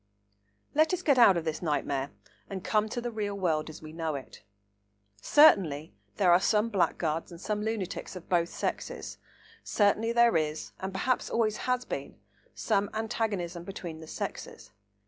Let us get out of this nightmare and come to the real world as we know it. Certainly there are some blackguards and some lunatics of both sexes. Certainly there is, and perhaps always has been, some antagonism between the sexes.